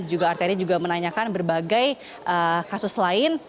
juga arteri juga menanyakan berbagai kasus lain